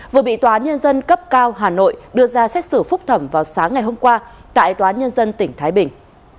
vừa bị tòa án nhân dân cấp cao hà nội đưa ra xét xử phúc thẩm vào sáng ngày hôm qua tại tòa nhân dân tỉnh thái bình